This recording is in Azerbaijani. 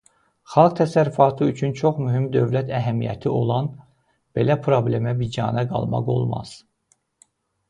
Xalq təsərrüfatı üçün çox mühüm dövlət əhəmiyyəti olan belə problemə biganə qalmaq olmaz.